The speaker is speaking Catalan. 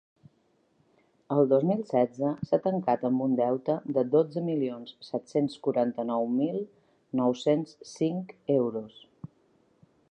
El dos mil setze s’ha tancat amb un deute de dotze milions set-cents quaranta-nou mil nou-cents cinc euros.